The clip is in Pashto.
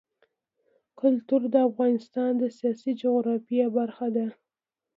کلتور د افغانستان د سیاسي جغرافیه برخه ده.